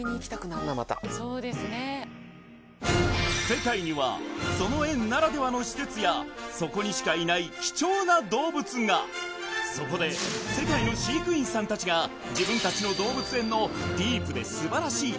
世界にはその園ならではの施設やそこにしかいない貴重な動物がそこで世界の飼育員さん達が自分達の動物園のディープで素晴らしい